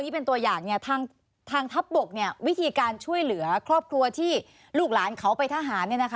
เป็นตัวอย่างทางทัพบกวิธีการช่วยเหลือครอบครัวที่ลูกหลานเขาไปทหาร